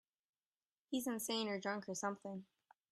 He's insane or drunk or something.